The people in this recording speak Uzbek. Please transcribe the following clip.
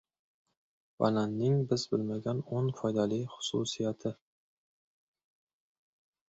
Bananning biz bilmagan o'n foydali xususiyati.